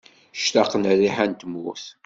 Ctaqen rriḥa n tmurt.